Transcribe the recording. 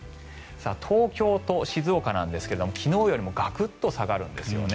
東京と静岡なんですが昨日よりもガクッと下がるんですよね。